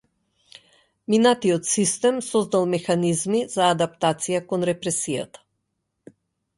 Минатиот систем создал механизми за адаптација кон репресијата.